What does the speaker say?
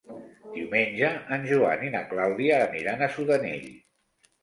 Diumenge en Joan i na Clàudia aniran a Sudanell.